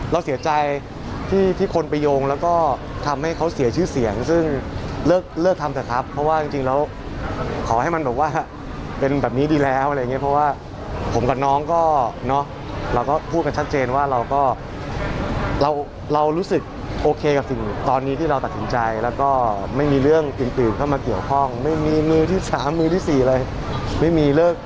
เราเสียใจที่คนไปโยงแล้วก็ทำให้เขาเสียชื่อเสียงซึ่งเลิกทำเถอะครับเพราะว่าจริงแล้วขอให้มันแบบว่าเป็นแบบนี้ดีแล้วอะไรอย่างเงี้ยเพราะว่าผมกับน้องก็เนาะเราก็พูดกันชัดเจนว่าเราก็เรารู้สึกโอเคกับสิ่งตอนนี้ที่เราตัดสินใจแล้วก็ไม่มีเรื่องอื่นเข้ามาเกี่ยวข้องไม่มีมือที่สามมือที่สี่เลยไม่มีเลิก